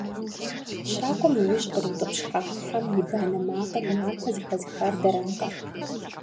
- Щакӏуэм уи ужь къриутӏыпщхьа хьэм и банэ макъыр япэ зэхэзыхар дэракъэ!